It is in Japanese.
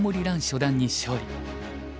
初段に勝利。